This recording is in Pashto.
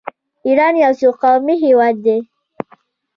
ایران یو څو قومي هیواد دی.